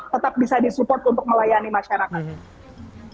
tetap bisa disupport untuk melayani masyarakat